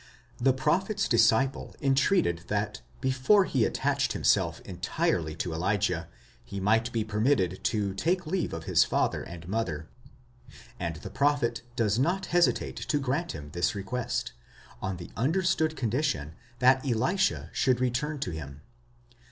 The prophet's disciple entreated that before he attached himself entirely to Elijah, he might be permitted to take leave of his father and mother ; and the prophet does not hesitate to grant him this request, on the understood condition that Elisha should return to him.